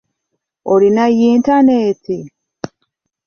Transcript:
Olina yintanenti?